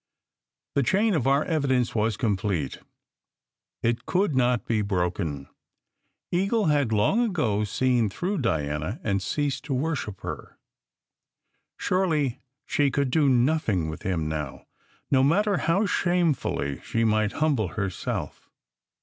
The chain of our evidence was complete. It could not be broken. Eagle had long ago seen through Diana and ceased to worship her. Surely she could do nothing with him now, no matter how shamefully she might humble her self.